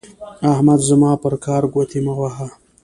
احمده زما پر کار ګوتې مه وهه.